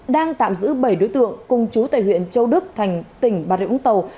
đang tạm giữ bảy đối tượng cùng chú tại huyện châu đức thành tỉnh bà rịa úng tàu